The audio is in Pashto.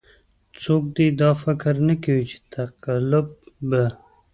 څوک دې دا فکر نه کوي چې تقلب به.